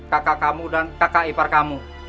kakak kamu dan kakak ipar kamu